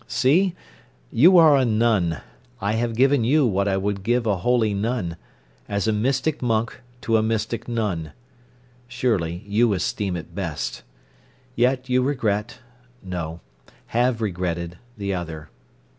See, you are a nun. I have given you what I would give a holy nun—as a mystic monk to a mystic nun. Surely you esteem it best. Yet you regret—no, have regretted—the other.